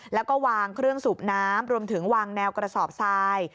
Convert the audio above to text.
แล้วก็วางเครื่องสูบน้ำรวมถึงวางแนวกระสอบทราย